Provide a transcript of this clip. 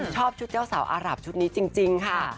ชอบชุดเจ้าสาวอารับชุดนี้จริงค่ะ